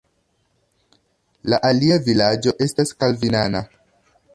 La alia vilaĝo estas kalvinana.